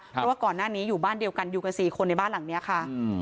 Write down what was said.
เพราะว่าก่อนหน้านี้อยู่บ้านเดียวกันอยู่กัน๔คนในบ้านหลังนี้ค่ะ